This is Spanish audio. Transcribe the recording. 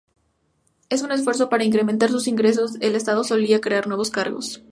En un esfuerzo para incrementar sus ingresos, el estado solía crear nuevos cargos.